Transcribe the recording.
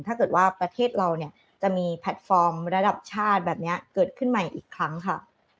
ถ้าเกิดว่าประเทศเราเนี่ยจะมีแพลตฟอร์มระดับชาติแบบนี้เกิดขึ้นใหม่อีกครั้งค่ะ